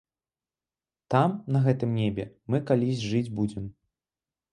Там, на гэтым небе, мы калісь жыць будзем.